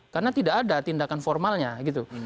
karena tidak ada tindakan formalnya gitu